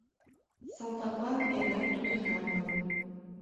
Салтаклан эреак тудо ямлын